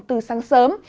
từ sáng sớm